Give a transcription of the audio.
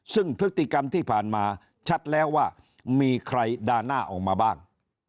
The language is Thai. ซึ่งพฤติกรรมที่ผ่านมาชัดแล้วว่ามีใครด่าหน้าออกมาบ้าง